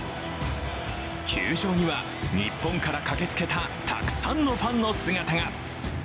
球場には日本から駆けつけたたくさんのファンの姿が。